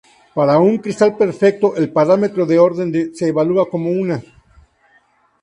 Para un cristal perfecto, el parámetro de orden se evalúa como una.